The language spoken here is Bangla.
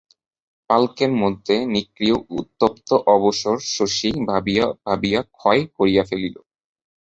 পালকির মধ্যে নিক্রিয় উত্তপ্ত অবসর শশী ভাবিয়া ভাবিয়া ক্ষয় করিয়া ফেলে।